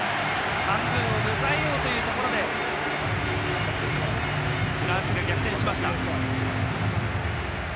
半分を迎えようというところでフランスが逆転しました。